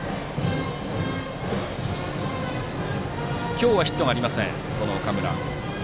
今日はヒットがありません、岡村。